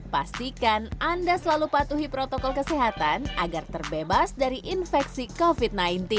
pastikan anda selalu patuhi protokol kesehatan agar terbebas dari infeksi covid sembilan belas